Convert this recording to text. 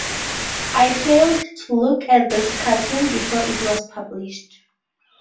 I failed to look at this cartoon before it was published.